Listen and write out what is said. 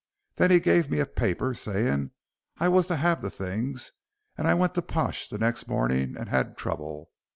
He then gave me a paper saying I was to have the things, and I went to Pash the next morning and had trouble.